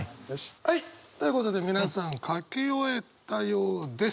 はいということで皆さん書き終えたようです。